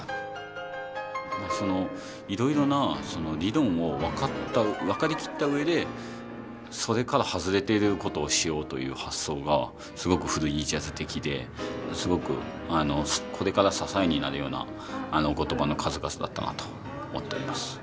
いろいろなその理論を分かりきったうえでそれから外れてることをしようという発想がすごくフリージャズ的ですごくこれから支えになるようなお言葉の数々だったなと思っています。